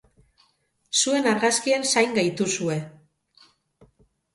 Zuen argazkien zain gaituzue!